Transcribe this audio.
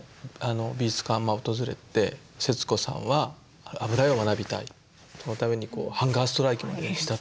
美術館を訪れて節子さんは油絵を学びたいそのためにハンガーストライキまでしたと。